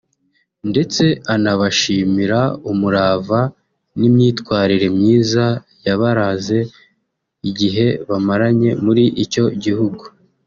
ndetse anabashimira umurava n’imyitwarire myiza yabaranze igihe bamaze muri icyo gihugu